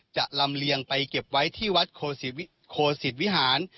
ลำเลียงไปเก็บไว้ที่วัดโคสิตวิหาร